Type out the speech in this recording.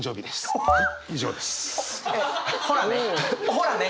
ほらね。